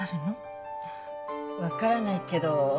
分からないけど。